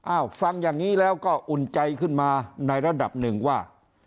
ฟังอย่างนี้แล้วก็อุ่นใจขึ้นมาในระดับหนึ่งว่า